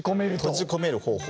閉じ込める方法を。